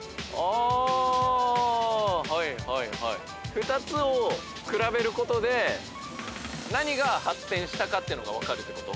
２つを比べることで何が発展したかってのが分かるってこと？